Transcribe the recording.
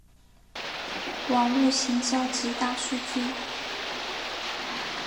网路行销及大数据